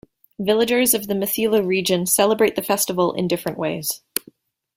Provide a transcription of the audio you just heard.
Villagers of the Mithila region celebrate the festival in different ways.